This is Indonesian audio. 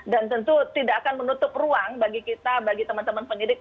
dan tentu tidak akan menutup ruang bagi kita bagi teman teman penyidik